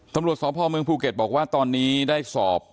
ตำรวจสพเมืองภูเก็ตบอกว่าตอนนี้ได้สอบ